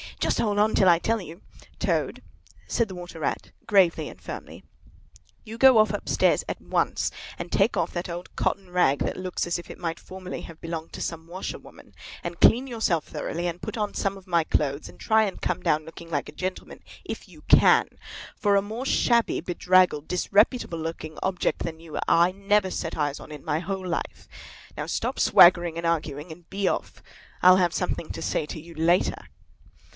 Just hold on till I tell you——" "Toad," said the Water Rat, gravely and firmly, "you go off upstairs at once, and take off that old cotton rag that looks as if it might formerly have belonged to some washerwoman, and clean yourself thoroughly, and put on some of my clothes, and try and come down looking like a gentleman if you can; for a more shabby, bedraggled, disreputable looking object than you are I never set eyes on in my whole life! Now, stop swaggering and arguing, and be off! I'll have something to say to you later!"